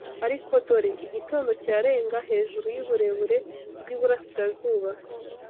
Ariko dore! Igitondo kirarenga hejuru yuburebure bwiburasirazuba